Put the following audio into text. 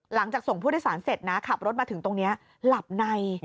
หลังจากส่งผู้โดยสารเสร็จนะขับรถมาถึงตรงลับใน